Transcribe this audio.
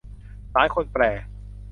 หลายคนแปล